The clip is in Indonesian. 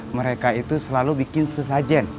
mereka itu selalu bikin sesajen